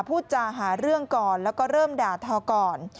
พูดจาหาเรื่องก่อนแล้วก็เริ่มด่าทอก่อน